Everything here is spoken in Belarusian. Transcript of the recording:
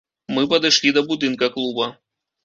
Мы падышлі да будынка клуба.